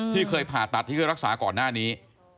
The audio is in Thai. ที่เคยผ่าตัดที่เคยรักษาก่อนหน้านี้